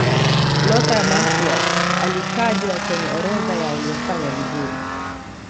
lothar matthaus alitajwa kwenye orodha ya waliofanya vizuri